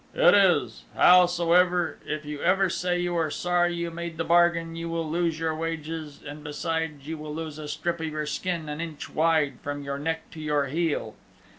"It is. Howsoever, if you ever say you are sorry you made the bargain you will lose your wages, and besides that you will lose a strip of your skin an inch wide from your neck to your heel.